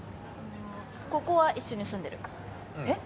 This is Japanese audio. ここは一緒に住んでるうんえっ？